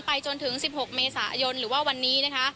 จนถึง๑๖เมษายนหรือว่าวันนี้นะคะ